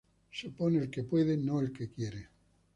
Se opone el que puede, no el que quiere